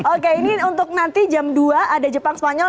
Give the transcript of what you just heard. oke ini untuk nanti jam dua ada jepang spanyol